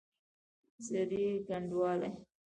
زړې ګنډوالې!